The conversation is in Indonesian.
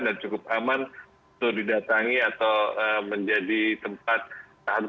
dan cukup aman untuk didatangi atau menjadi tempat pilihan untuk hiburan